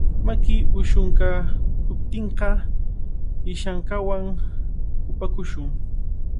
Maki ushunkaakuptinqa ishankawan kupakushun.